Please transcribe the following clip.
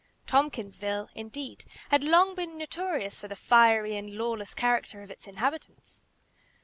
Tompkinsville, indeed, had long been notorious for the fiery and lawless character of its inhabitants.